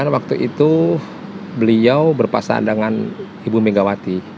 dua ribu sembilan waktu itu beliau berpasangan dengan ibu megawati